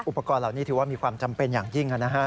อุปกรณ์เหล่านี้ถือว่ามีความจำเป็นอย่างยิ่ง